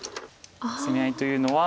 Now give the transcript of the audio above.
攻め合いというのは。